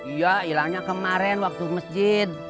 iya hilangnya kemarin waktu masjid